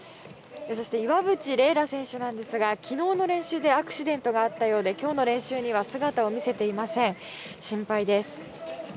そして、岩渕麗楽選手ですが昨日の練習でアクシデントがあったようで今日の練習には姿を見せていません。